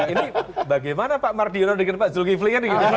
ini bagaimana pak mardiyono dengan pak zulkifli